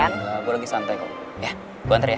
enggak gue lagi santai kok ya gue nganter ya